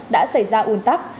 đã xảy ra uồn tắc